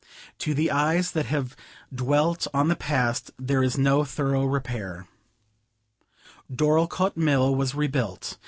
To the eyes that have dwelt on the past, there is no thorough repair. Dorlcote Mill was rebuilt.